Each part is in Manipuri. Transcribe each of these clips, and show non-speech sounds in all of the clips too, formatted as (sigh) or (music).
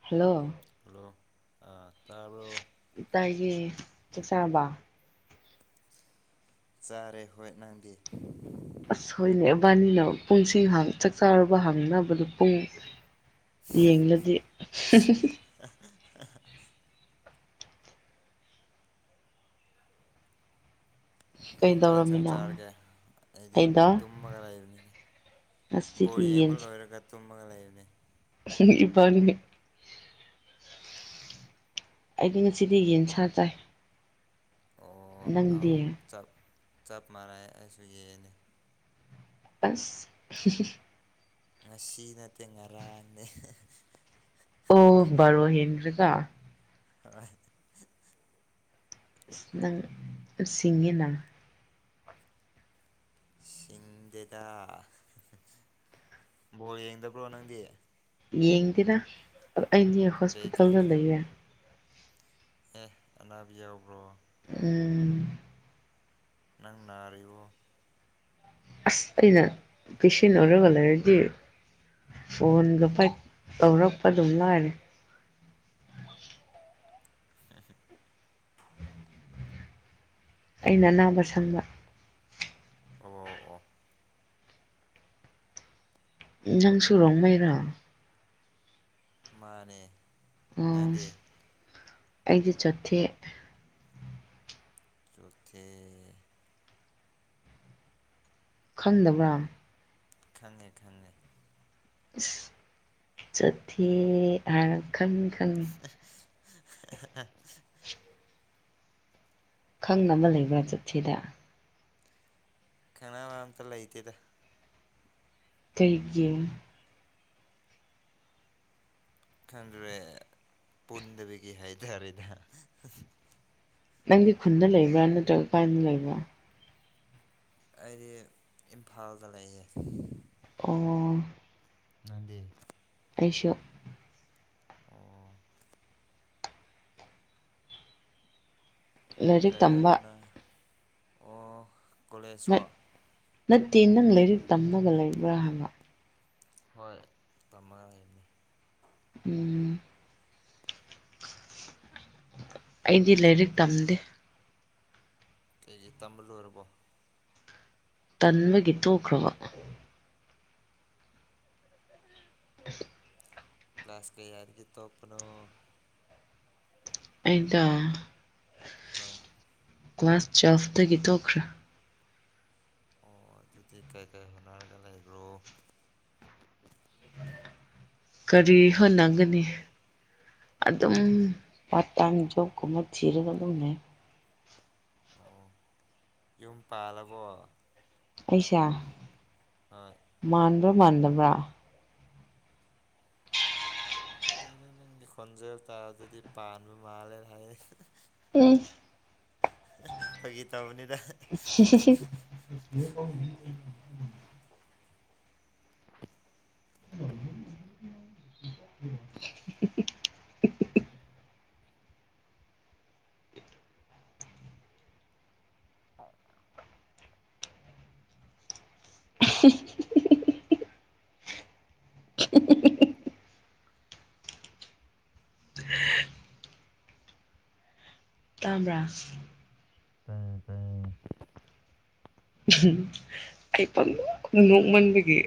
ꯍꯜꯂꯣ ꯍꯜꯂꯣ ꯑ ꯇꯥꯏꯒꯤ ꯆꯛ ꯆꯕ ꯆꯥꯔꯦ ꯍꯣꯏ ꯅꯪꯗꯤ ꯑꯁ ꯍꯣꯏꯅꯦ ꯏꯕꯥꯅꯤꯅ ꯄꯨꯡꯁꯤꯡ ꯍꯪ ꯆꯥꯛ ꯆꯥꯔꯕ ꯍꯪꯅꯕꯗ ꯄꯨꯡ ꯌꯦꯡꯂꯗꯤ ꯀꯩ ꯍꯦꯟꯁꯥꯡ ꯀꯩꯗꯧꯔꯝꯃꯤꯅꯣ ꯆꯥꯔꯒꯦ ꯑꯩꯗꯤ ꯑꯩꯗꯣ ꯇꯨꯝꯃꯒ ꯂꯩꯕꯅꯤꯅꯦ ꯕꯣꯜ ꯉꯁꯤꯗꯤ ꯌꯦꯡꯕ ꯂꯣꯏꯔꯒ ꯇꯨꯝꯃꯒ ꯂꯩꯕꯅꯦ (inaudible) ꯏꯕꯅꯤ ꯑꯩꯗꯤ ꯉꯁꯤꯗꯤ ꯌꯦꯟꯁꯥ ꯆꯥꯏ ꯑꯣ ꯍꯥꯎ ꯅꯪꯗꯤ ꯆꯞ ꯆꯞ ꯃꯥꯟꯅꯩ ꯑꯩꯁꯨ ꯌꯦꯟꯅꯦ ꯑꯁ ꯉꯁꯤ ꯅꯠꯇꯦ ꯉꯔꯥꯡꯅꯦ ꯑꯣ ꯕꯔꯣ ꯍꯦꯟꯈ꯭ꯔꯒ ꯍꯣꯏ ꯪ ꯁꯤꯁꯤꯡꯒꯤꯉꯤꯅꯅ ꯁꯤꯡꯗꯦꯗ ꯕꯣ ꯌꯦꯡꯗꯕ꯭ꯔꯣ ꯅꯪꯗꯤ ꯌꯦꯡꯗꯦꯔ ꯑꯩꯗꯤ ꯀꯩꯒꯤ ꯍꯣꯁꯄꯤꯇꯥꯜꯗ ꯂꯩꯔꯦ ꯑꯦ ꯑꯅꯥꯕꯤ ꯌꯥꯎꯕ꯭ꯔꯣ ꯎꯝ ꯅꯪ ꯅꯥꯔꯤꯕꯔꯤꯕꯣ ꯑꯁ ꯑꯩꯅ ꯄꯦꯁꯦꯟ ꯑꯣꯏꯔꯒ ꯂꯩꯔꯗꯤ ꯐꯣꯟꯗꯣ ꯐ ꯇꯧꯔꯛꯄ ꯑꯗꯨꯝ ꯂꯥꯛꯑꯅꯤ (unintelligible) (inaudible) ꯑꯩꯅ ꯑꯅꯥꯕ ꯁꯪꯕ ꯑꯣ ꯑꯣ ꯅꯪ ꯁꯨꯔꯣꯡ ꯃꯩꯔꯣ ꯃꯥꯅꯦ ꯑꯣ ꯅꯪꯗꯤ ꯑꯩꯗꯤ ꯆꯣꯠꯊꯦꯛ ꯆꯣꯊꯤ ꯈꯪꯗꯕ꯭ꯔꯥ ꯈꯪꯉꯦ ꯈꯪꯉꯦ ꯆꯊ ꯑ ꯈꯪ ꯈꯪ (unintelligible) (inaudible) ꯈꯪꯅꯕ ꯂꯩꯕ꯭ꯔꯥ ꯆꯠꯊꯗ ꯀꯅꯥꯅꯕ ꯑꯝꯇ ꯂꯩꯇꯦꯗ ꯊꯒ (inaudible) ꯈꯗ꯭ꯔꯦ ꯄꯨꯟꯗꯕꯤꯒꯤ ꯍꯥꯏ ꯇꯔꯗ ꯅꯪꯒꯤ ꯈꯨꯟꯗ ꯂꯩꯕ꯭ꯔꯥ ꯅꯠꯇ꯭ꯔꯒ ꯀꯥꯏꯅ ꯂꯩꯕ꯭ꯔꯥ ꯑꯩꯗꯤ ꯏꯝꯐꯥꯜꯗ ꯂꯩꯌꯦ ꯑꯣ ꯅꯗ ꯑꯩꯁꯨ ꯑꯣ ꯂꯥꯏꯔꯤꯛ ꯀꯩ ꯀꯥꯏ ꯇꯝꯕ ꯍꯣꯠꯅ ꯑꯣ ꯀꯣꯂꯦꯖꯔꯣ ꯅꯠ ꯅꯠꯇꯦ ꯅꯪ ꯂꯥꯏꯔꯤꯛ ꯇꯝꯅꯕ ꯂꯩꯕ꯭ꯔꯥ ꯍꯥꯏꯕ ꯍꯣꯏ ꯇꯔ ꯎꯝ ꯑꯩꯗꯤ ꯂꯥꯏꯔꯤꯛ ꯇꯝꯗꯦ ꯀꯦꯖꯤ ꯇꯝꯕꯂꯨꯨꯕꯣ ꯇꯟꯕꯒꯤ ꯇ ꯊꯣꯛꯈ꯭ꯔꯕ (unintelligible) (inaudible) ꯀ꯭ꯂꯥꯁꯥꯁ ꯀ ꯌꯥꯔꯒꯤ ꯇꯣꯄꯅꯣ ꯑꯗ ꯍꯣꯏ ꯀ꯭ꯂꯥꯁ ꯇ꯭ꯋꯦꯜꯐꯇꯒꯤ ꯇꯣꯛꯈ꯭ꯔꯦ ꯑꯣ ꯑꯗꯨꯗꯤ ꯀꯩ ꯀꯥꯏ ꯍꯅꯔꯒ ꯂꯩ ꯂꯩꯈ꯭ꯔꯣ ꯀꯔꯤ ꯍ ꯂꯪꯒꯅꯤ ꯑꯗꯨꯝ ꯄꯥ ꯇꯝ ꯌꯣꯛꯀꯃ ꯊꯤꯔꯒ ꯑꯗꯨꯝꯅꯦ ꯑꯣ ꯌꯨꯝ ꯄꯥꯜꯂꯕꯣ ꯑꯩꯁꯥ ꯑ (unintelligible) (inaudible) ꯃꯥꯟꯗꯕꯔꯥ ꯑꯗꯨꯗ ꯅꯪꯒꯤ ꯈꯣꯟꯖꯕ ꯇꯥꯔ ꯑꯗꯨꯗꯤ ꯄꯥꯟꯕ ꯃꯥꯜꯂꯦꯅ ꯍꯥꯏ ꯎꯝ ꯐ ꯒꯤ ꯇꯕꯨꯅꯤ ꯁꯤ (unintelligible) (unintelligible) (unintelligible) ꯎ ꯇꯥꯗꯥ ꯇꯥꯏꯌꯦ ꯇꯥꯏꯌꯦ ꯎꯝ ꯑꯩ ꯄ ꯅꯣꯛꯃꯟꯕꯒꯤ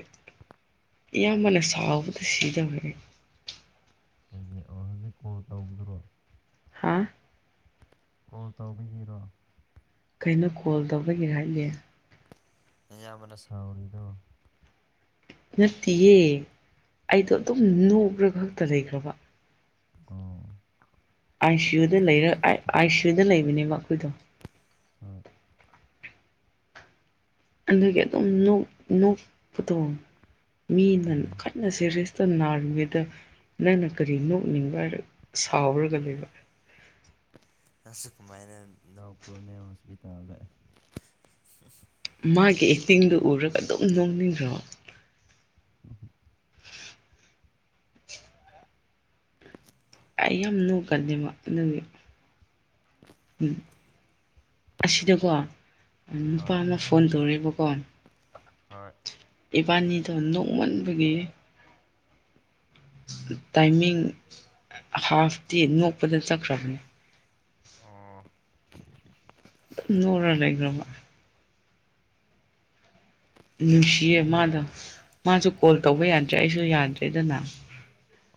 ꯏꯌꯥꯝꯕꯅ ꯁꯥꯎꯕꯗ ꯁꯤꯗꯕꯦ ꯀꯩꯒꯤ ꯑꯣ ꯍꯧꯖꯤꯛ ꯀꯣꯜ ꯇꯧꯕꯗꯨꯔꯣ ꯍꯥ ꯀꯣꯜ ꯇꯧꯕꯤꯈꯤꯔꯣ ꯑꯩꯅ ꯀꯣꯜ ꯇꯧꯔꯒꯦ ꯍꯥꯏꯒꯦ ꯑꯌꯥꯝꯕꯅ ꯁꯥꯎꯔꯤꯗꯣ ꯅꯠꯇꯦꯌꯦ ꯑꯩꯗꯣ ꯑꯗꯨꯝ ꯅꯣꯛꯈ꯭ꯔ ꯈꯛꯇ ꯂꯩꯈ꯭ꯔꯕ ꯑ ꯑꯥꯏ ꯁꯤ ꯌꯨꯗ ꯂꯩꯔ ꯑꯥꯏ ꯁꯤꯌꯨꯗ ꯂꯩꯕꯅꯦꯕ ꯑꯩꯈꯣꯏꯗꯣ ꯑꯝ ꯑꯗꯨꯒꯤ ꯑꯗꯨꯝꯣꯛ ꯄꯨꯊꯣꯛ ꯃꯤꯅ ꯎꯝ ꯈꯠꯅ ꯁꯦꯔꯤꯁꯇ ꯅꯥꯕꯤꯗ ꯅꯪꯅ ꯀꯔꯤ ꯅꯣꯛꯅꯤꯡꯕ ꯍꯥꯏꯔ ꯁꯥꯎꯔꯒ ꯂꯩꯕ (unintelligible) ꯑꯁ ꯀꯃꯥꯏꯅ ꯅꯧꯄ꯭ꯔꯣꯅꯦ ꯍꯣꯁꯄꯤꯇꯥꯜꯗ ꯃꯥꯒꯤ ꯑꯦꯛꯇꯤꯡꯗꯨ ꯎꯔꯒ ꯑꯗꯨꯝ ꯅꯣꯛꯅꯤꯡꯈ꯭ꯔꯣ ꯑꯩ ꯌꯥꯝ ꯅꯨ ꯀꯜꯂꯤꯦꯕ ꯑꯗꯨꯒꯤ ꯎꯝ ꯑꯁꯤꯗꯀꯣ ꯅꯨꯄꯥ ꯍꯣꯏ ꯑꯃ ꯐꯣꯟ ꯇꯧꯔꯛꯏꯕꯀꯣ ꯍꯣꯏ ꯏꯕꯥꯅꯤꯗꯣ ꯅꯣꯡꯃꯟꯕꯒꯤ ꯇꯥꯏꯃꯤꯡ ꯍꯥꯐꯇꯤ ꯅꯣꯛꯄꯗ ꯆꯠꯈ꯭ꯔꯕꯅꯦ ꯑꯣ ꯅꯔ ꯂ ꯂꯩꯒ꯭ꯔꯣꯃ ꯅꯨꯡꯁꯤꯌꯦ ꯃꯥꯗꯣ ꯃꯥꯁꯨ ꯀꯣꯜ ꯇꯧꯕ ꯌꯥꯗ꯭ꯔꯦ ꯑꯩꯁꯨ ꯌꯥꯗ꯭ꯔꯦꯗꯅ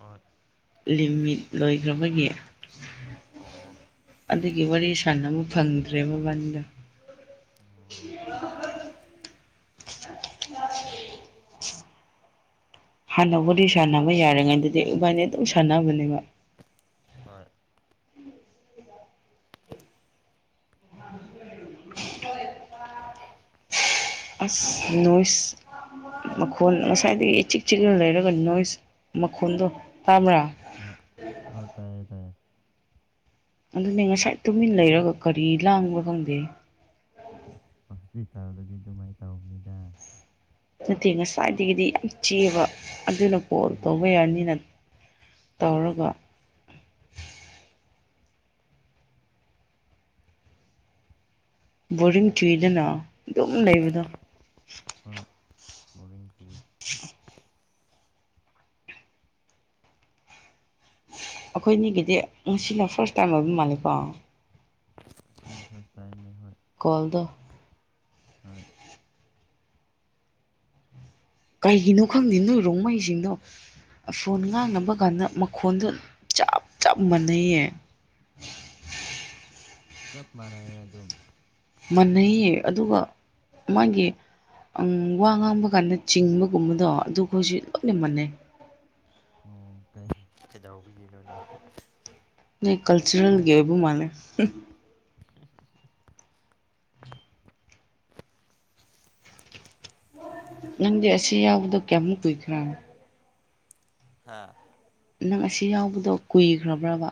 ꯑ ꯂꯤꯃꯤꯠ ꯂꯣꯏꯈ꯭ꯔꯕꯒꯤ ꯑꯣ ꯑꯗꯨꯒꯤ ꯋꯥꯔꯤ ꯁꯥꯟꯅꯕ ꯐꯪꯗ꯭ꯔꯦ ꯃꯕꯥꯟꯗ ꯑꯣ (unintelligible) ꯍꯥꯟꯅꯕꯨꯗꯤ ꯁꯥꯟꯅꯕ ꯌꯥꯔꯤꯉꯩꯗꯗꯤ ꯏꯕꯥꯅꯤ ꯑꯗꯨꯝ ꯁꯥꯟꯅꯕꯅꯦꯕ ꯍꯣꯏ ꯑ ꯅꯨꯁ ꯃꯈꯣꯟ ꯉꯁꯥꯏꯗꯒꯤ ꯏꯆꯤꯛ ꯆꯤꯛꯂ ꯂꯩꯔꯒ ꯅꯣꯏꯁ ꯃꯈꯣꯟꯜꯗꯣ ꯑ ꯍ ꯇꯥꯏꯌꯦ ꯇꯥꯏꯌꯦꯦ ꯑꯗꯨꯅꯦ ꯉꯁꯥꯏ ꯇꯨꯃꯤꯟ ꯂꯩꯔꯒ ꯀꯔꯤ ꯂꯥꯡꯕ ꯈꯪꯗꯦ ꯇꯥꯔꯗꯗꯤ ꯑꯗꯨꯃꯥꯏꯅ ꯇꯧꯅꯤꯗ ꯅꯠꯇꯦ ꯉꯁꯥꯏꯗꯒꯤꯗꯤ ꯌꯥꯝ ꯆꯦꯕ ꯑꯗꯨꯅ ꯀꯣꯜ ꯎꯝ ꯇꯧꯕ ꯌꯥꯔꯅꯤꯅ ꯇꯧꯔꯒ ꯕꯣꯔ ꯆꯤꯗꯅ ꯑꯗꯨꯃ ꯂꯩꯕꯗ ꯍꯣꯏ ꯕꯣꯔꯤꯡ ꯆꯨꯏ (unintelligible) ꯑꯩꯈꯣꯏꯅꯤꯒꯤꯗꯤ ꯉꯁꯤꯅ ꯐꯥꯔꯁ ꯇꯥꯏꯝ ꯑꯣꯏꯕ ꯃꯥꯜꯂꯦꯀꯣ ꯑꯁꯤꯅ ꯐꯥꯔꯁ ꯇꯥꯏꯅꯦ ꯍꯣꯏ ꯀꯣꯜꯗꯣ ꯑ ꯀꯩꯒꯤꯅꯣ ꯈꯪꯗꯦ ꯅꯣꯏ ꯔꯣꯡꯃꯩꯁꯤꯡꯗꯣ ꯐꯣꯟ ꯉꯥꯡꯅꯕ ꯀꯥꯟꯗ ꯃꯈꯣꯟꯗ ꯆꯞ ꯆꯞ ꯃꯥꯟꯅꯩꯌꯦ ꯆꯞ ꯃꯥꯟꯅꯩ ꯑꯗꯨꯝ ꯃꯥꯟꯅꯩꯌꯦ ꯑꯗꯨꯒ ꯃꯥꯒꯤ ꯪ ꯋꯥ ꯉꯥꯡꯕ ꯀꯥꯟꯗ ꯆꯤꯡꯕꯒꯨꯝꯕꯗꯣ ꯑꯗꯨꯒ ꯑꯩꯈꯣꯏꯁꯨ ꯂꯣꯏꯅ ꯃꯥꯟꯅꯩ ꯎ ꯀꯩ ꯀꯩꯗꯕꯒꯤꯅꯣꯅꯦ ꯅ ꯀꯜꯆꯔꯦꯜꯒꯤ ꯑꯣꯏꯕ ꯃꯥꯜꯂꯦ ꯅꯪꯗꯤ ꯑꯁꯤ ꯌꯥꯎꯕꯗꯣ ꯀꯌꯥꯃꯨꯛ ꯀꯨꯏꯈ꯭ꯔꯥꯅꯣ ꯍꯥꯥ ꯅꯪ ꯑꯁꯤ ꯌꯥꯎꯕꯗꯣ ꯀꯨꯏꯈ꯭ꯔꯕ꯭ꯔꯕ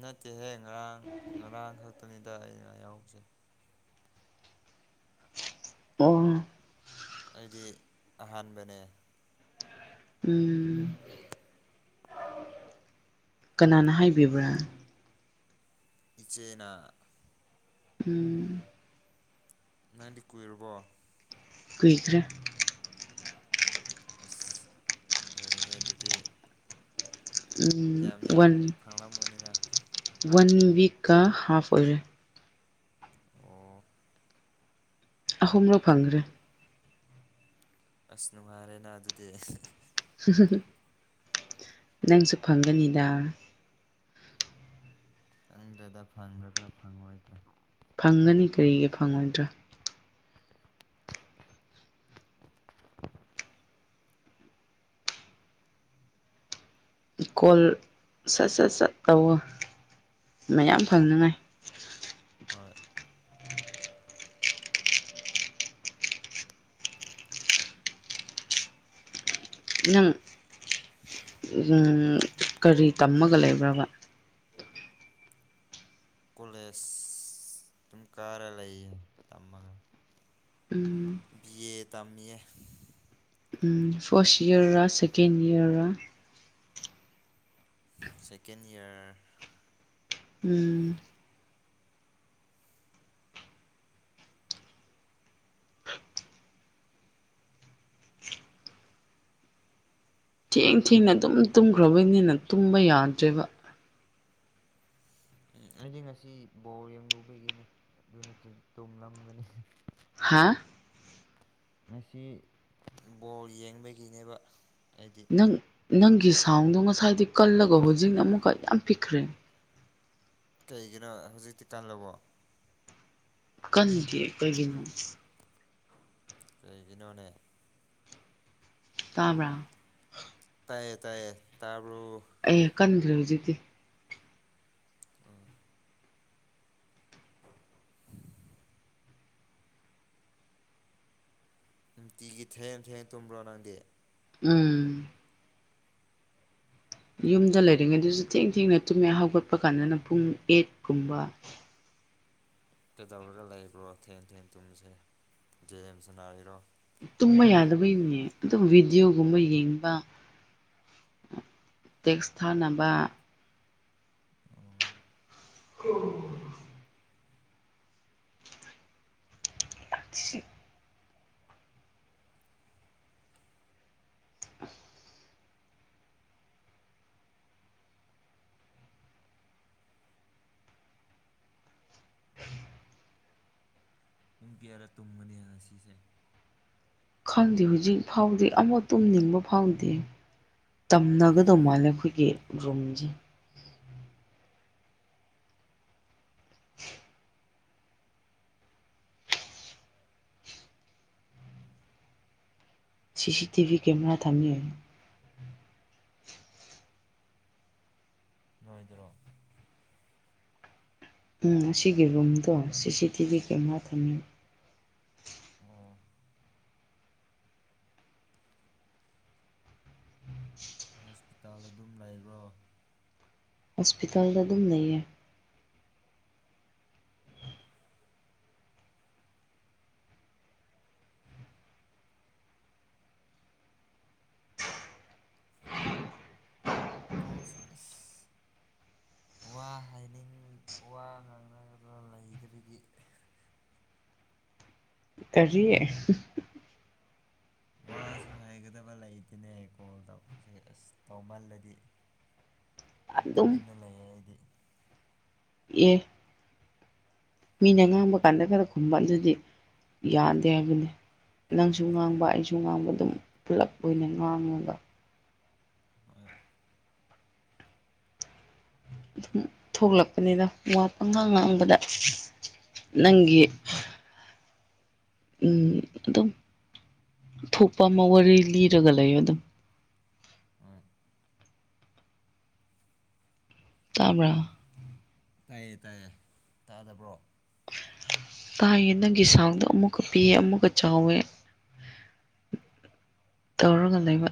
ꯅꯠꯇꯦꯍꯦ ꯉꯔꯥꯡ ꯉꯔꯥꯡ ꯈꯛꯇꯅꯤꯗ ꯑꯩꯅ ꯌꯥꯎꯁꯦ ꯑꯣ ꯑꯩꯗꯤ ꯑꯍꯥꯟꯕꯅꯦ ꯎꯝ ꯀꯅꯥꯅ ꯍꯥꯏꯕꯤꯕ꯭ꯔꯥ ꯏꯆꯦꯅ ꯎꯝ ꯅꯪꯗꯤ ꯀꯨꯏꯔꯕꯣ ꯀꯨꯏꯈ꯭ꯔꯦ ꯑꯁ ꯑꯣꯏꯍꯦ ꯑꯗꯨꯗꯤ ꯎꯝ ꯌꯥꯝ ꯌꯥꯝ ꯋꯥꯟ ꯐꯥꯡꯂꯝꯕꯅꯤꯅ ꯋꯥꯟ ꯛ ꯀ ꯍꯥꯐ ꯑꯔ ꯑꯣ ꯑꯍꯨꯝꯔꯣ ꯐꯪꯈ꯭ꯔꯦ ꯑꯁ ꯅꯨꯡꯉꯥꯏꯔꯦꯅ ꯑꯗꯨꯗꯤ ꯅꯪꯁꯨ ꯐꯪꯒꯅꯤꯗ ꯆꯪꯗꯗ ꯐꯪꯒꯗ꯭ꯔꯥ ꯐꯪꯉꯑꯣꯣꯏꯗ꯭ꯔ ꯐꯪꯒꯅꯤ ꯀꯔꯤꯒꯤ ꯐꯪꯉꯣꯏꯗ꯭ꯔꯥ ꯀꯣꯜ ꯁꯠ ꯁꯠ ꯁꯠ ꯇꯧꯋꯣ ꯃꯌꯥꯝ ꯐꯪꯅꯉꯥꯏ ꯑ ꯅꯪ ꯀꯔꯤ ꯇꯝꯃꯒ ꯂꯩꯕ꯭ꯔꯕ ꯀꯣꯂꯦꯖ ꯑꯗꯨꯝ ꯀꯥꯔ ꯂꯩꯌꯦ ꯇꯝꯃꯒ ꯎꯝ ꯕꯤ ꯑꯦ ꯇꯃꯤ ꯑꯦ um first year second year second year um ꯊꯦꯡ ꯊꯦꯡꯅ ꯑꯗꯨꯝ ꯇꯨꯝꯈ꯭ꯔꯕꯩꯅꯤꯅ ꯇꯨꯝꯕ ꯌꯥꯗ꯭ꯔꯦꯕ ꯎꯝ ꯑꯩꯁ ꯉꯁꯤ ꯕꯣꯔ ꯌꯦꯡꯂ ꯂꯨꯕꯩꯒꯤꯅꯦ ꯑꯗꯨ ꯅꯠꯇ꯭ꯔꯗꯤ ꯇꯣꯂꯝꯒꯅꯤ ꯍꯥꯥ ꯉꯁꯤ ꯕꯣꯜ ꯌꯦꯡꯕꯒꯤꯅꯦꯕ ꯑꯩꯗꯤ ꯅꯪ ꯅꯪꯒꯤ ꯁꯥꯎꯟꯗꯣ ꯉꯁꯥꯏꯗꯤ ꯀꯜꯂꯒ ꯍꯧꯖꯤꯛ ꯑꯃꯨꯛꯀ ꯌꯥꯝ ꯄꯤꯛꯈ꯭ꯔꯦ ꯀꯩꯒꯤꯅꯣ ꯍꯧꯖꯤꯛꯇꯤ ꯀꯜꯂꯧꯕꯣ ꯀꯟꯗꯤ ꯀꯩꯒꯤ ꯀꯩꯒꯤꯅ ꯋꯥꯅꯦ ꯀꯥꯕ꯭ꯔꯥ ꯇꯌꯦ ꯇꯥꯏꯌꯦ ꯇ ꯀꯟꯒ꯭ꯖꯤꯗꯤ ꯎꯝ ꯅꯨꯡꯇꯤꯒꯤ ꯊꯦꯡꯡ ꯊꯦꯡꯡ ꯇꯨꯝꯕ꯭ꯔꯣ ꯅꯪꯗꯤ ꯎꯝ ꯌꯨꯝꯗ ꯂꯩꯔꯤꯉꯩꯗꯨꯁꯨ ꯊꯦꯡ ꯊꯦꯡꯅ ꯇꯨꯝꯃꯦ ꯍꯧꯒꯠꯄ ꯀꯥꯟꯗꯅ ꯄꯨꯡ ꯑꯦꯠꯀꯨꯝꯕ ꯀꯩꯗꯧꯔꯒ ꯂꯩꯕ꯭ꯔꯣ ꯊꯦꯟ ꯊꯦꯡ ꯇꯨꯝꯕꯁꯦ ꯖꯦꯝꯁ ꯅꯥꯔꯤꯔꯣ ꯇꯨꯝꯕ ꯌꯥꯗꯕꯩꯅꯦ ꯑꯗꯨꯝ ꯚꯤꯗꯤꯑꯣꯒꯨꯝꯕ ꯌꯦꯡꯕ ꯇꯦꯛꯁ ꯊꯥꯅꯕ ꯑꯣ ꯑꯣ ꯑꯤ ꯑ ꯎ ꯄꯨꯡ ꯀꯌꯥꯔꯥ ꯇꯨꯝꯃꯅꯤ ꯑꯁꯤꯁꯦ ꯈꯪꯗꯦ ꯍꯧꯖꯤꯛ ꯐꯥꯎꯗꯦ ꯑꯃꯣ ꯇꯨꯝꯅꯤꯡꯕ ꯐꯥꯎꯗꯦ ꯇꯝꯅꯒꯗꯧ ꯃꯥꯜꯂꯦ ꯑꯩꯈꯣꯏꯒꯤ ꯔꯨꯝꯁꯦ (unintelligible) ꯁꯤ ꯁꯤ ꯇꯤ ꯚꯤ ꯀꯦꯃꯦꯔꯥ ꯊꯝꯃꯤꯅ ꯏꯗ꯭ꯔꯣ ꯎꯝ ꯑꯁꯤꯒꯤ ꯔꯨꯝꯗꯣ C C T V camera ꯊꯝꯕꯤ ꯑꯣ ꯎꯝ ꯍꯣꯁꯄꯤꯇꯥꯜ ꯑꯗꯨꯝ ꯂꯩꯕ꯭ꯔꯣ ꯍꯣꯁꯄꯤꯇꯥꯜꯗ ꯑꯗꯨꯝ ꯂꯩ ꯀꯣꯟꯁ ꯋꯥ ꯍꯥꯏꯅꯤꯡ ꯋꯥ ꯉꯥꯡꯅꯗꯅ ꯂꯩꯗꯕꯒꯤ (unintelligible) ꯀꯔꯤ ꯋꯥꯁꯨ ꯍꯥꯏꯒꯗꯕ ꯂꯩꯇꯅꯦ ꯀꯣꯜ ꯇꯁꯦ ꯑꯁ ꯇꯧꯃꯜꯂꯗꯤ ꯑꯗꯨꯝ ꯇꯨꯃꯤꯟꯅ ꯂꯩꯌꯦ ꯑꯩꯗꯤ ꯑꯦ ꯃꯤꯅ ꯉꯥꯡꯕ ꯀꯥꯟꯗ ꯈꯔ ꯈꯨꯝꯕ ꯑꯗꯨꯗꯤ ꯌꯥꯗꯦ ꯍꯥꯏꯕꯅꯦ ꯅꯪꯁꯨ ꯉꯥꯡꯕ ꯑꯩꯁꯨ ꯉꯥꯡꯕ ꯑꯗꯨꯝ ꯄꯨꯂꯞ ꯑꯣꯏꯅ ꯉꯥꯡꯉꯒ ꯍꯣꯏ ꯑꯗꯨꯝ ꯊꯣꯛꯂꯛꯄꯅꯤꯅ ꯋꯥꯄꯉꯥꯡ ꯉꯥꯡꯕꯗ ꯎꯝ ꯅꯪꯒꯤ ꯎꯝ ꯑꯗꯨꯝ ꯊꯣꯛꯄ ꯑꯃ ꯋꯥꯔꯤ ꯂꯤꯔꯒ ꯂꯩ ꯑꯗꯨꯝ ꯍꯣꯏ ꯇꯥꯕ꯭ꯔ ꯇꯥꯏꯌꯦ ꯇꯥꯏꯌꯦ ꯇꯥꯗꯕ꯭ꯔꯣ ꯇꯥꯏꯉꯦ ꯅꯪꯒꯤ ꯁꯥꯡꯗꯣ ꯑꯃꯨꯛꯀ ꯄꯤꯑꯦ ꯑꯃꯨꯛꯀ ꯆꯥꯎꯋꯦ ꯇꯧꯔꯒ ꯂꯩꯕ